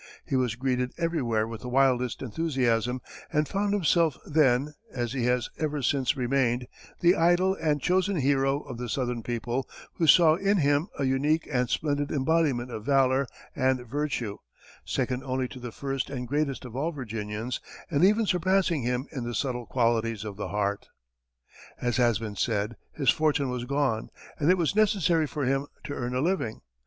He was greeted everywhere with the wildest enthusiasm, and found himself then, as he has ever since remained, the idol and chosen hero of the southern people, who saw in him a unique and splendid embodiment of valor and virtue, second only to the first and greatest of all Virginians, and even surpassing him in the subtle qualities of the heart. As has been said, his fortune was gone, and it was necessary for him to earn a living.